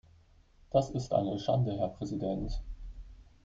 Das ist eine Schande, Herr Präsident!